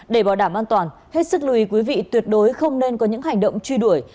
để bảo đảm an toàn hết sức lùi quý vị tuyệt đối không nên có những hành động truy đuổi